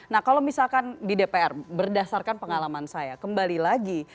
nah kalau misalkan di dpr berdasarkan pengalaman saya kembali lagi